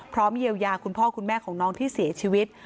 พร้อมเยียวยาคุณพ่อคุณแม่ของน้องที่เสียชีวิต